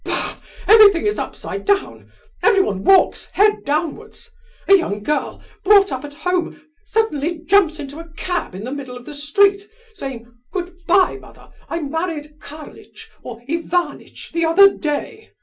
Bah! everything is upside down, everyone walks head downwards. A young girl, brought up at home, suddenly jumps into a cab in the middle of the street, saying: 'Good bye, mother, I married Karlitch, or Ivanitch, the other day!